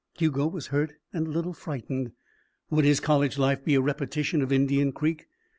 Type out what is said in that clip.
Hugo was hurt and a little frightened. Would his college life be a repetition of Indian Creek?